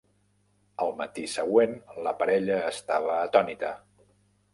Al matí següent la parella estava atònita.